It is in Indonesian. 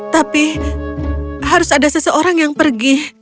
tapi harus ada seseorang yang pergi